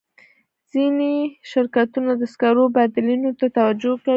ځینې شرکتونه د سکرو بدیلونو ته توجه کوي.